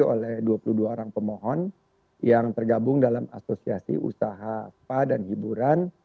oleh dua puluh dua orang pemohon yang tergabung dalam asosiasi usaha spa dan hiburan